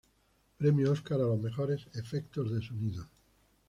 Premio: Oscar a los mejores "efectos de sonido".